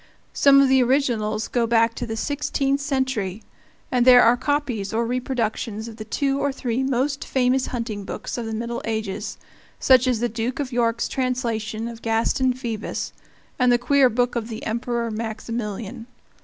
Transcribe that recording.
Some of the originals go back to the sixteenth century, and there are copies or reproductions of the two or three most famous hunting books of the Middle Ages, such as the Duke of York's translation of Gaston Phoebus, and the queer book of the Emperor Maximilian.